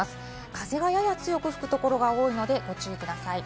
風がやや強く吹くところが多いので、ご注意ください。